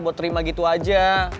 buat terima gitu aja